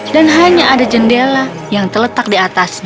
dan hanya ada jendela yang terletak di atasnya